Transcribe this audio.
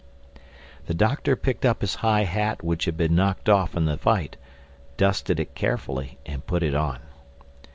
The Doctor picked up his high hat which had been knocked off in the fight, dusted it carefully and put it on.